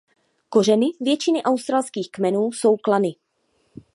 Kořeny většiny australských kmenů jsou klany.